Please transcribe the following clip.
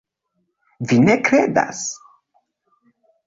Vi ne kredas?